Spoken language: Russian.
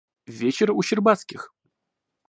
Вечер у Щербацких.